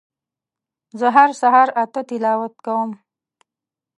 زه هر سهار اته تلاوت کوم